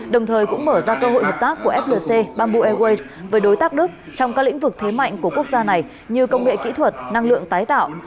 đồng thời cũng mở ra cơ hội hợp tác của flc bamboo airways với đối tác đức trong các lĩnh vực thế mạnh của quốc gia này như công nghệ kỹ thuật năng lượng tái tạo